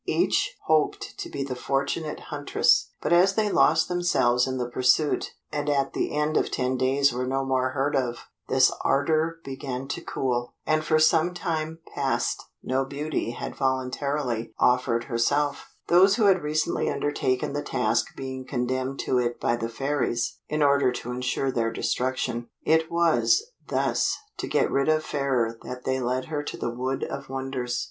Each hoped to be the fortunate huntress; but as they lost themselves in the pursuit, and at the end of ten days were no more heard of, this ardour began to cool, and for some time past no beauty had voluntarily offered herself; those who had recently undertaken the task being condemned to it by the Fairies, in order to ensure their destruction. It was, thus, to get rid of Fairer that they led her to the Wood of Wonders.